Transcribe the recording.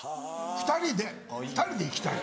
２人で２人で行きたい。